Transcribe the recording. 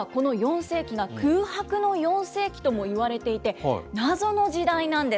で、実はこの４世紀が、空白の４世紀とも言われていて、謎の時代なんです。